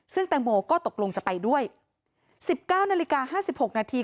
ซึ่งแตงโมก็ตกลงจะไปด้วย๑๙นาฬิกา๕๖นาที